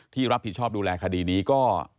ที่รับผิดชอบดูแลคดีนี้ก็